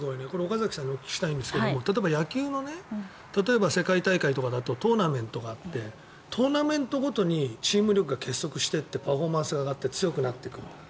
これ、岡崎さんにお聞きしたいんですが野球の世界大会とかだとトーナメントがあってトーナメントごとにチーム力が結束していってパフォーマンスが上がって強くなっていく。